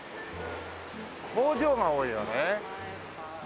工場が多いよね。